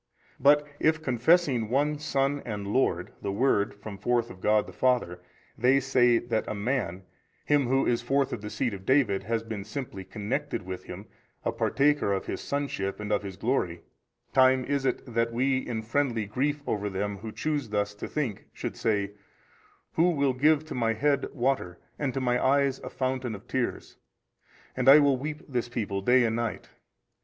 But if confessing One Son and Lord, the Word from forth of God the Father, they say that a man, him who is forth of the seed of David has been simply connected with Him, a partaker of His Sonship and of His glory, time is it that we in friendly grief over them who choose thus to think should say, Who will give to my head water and to my eyes a fountain |263 of tears, and I will weep this people day and night?